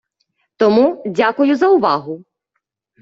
Тому, дякую за увагу!